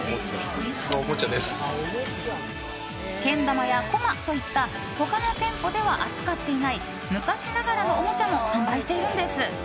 けん玉や、こまといった他の店舗では扱っていない昔ながらのおもちゃも販売しているんです。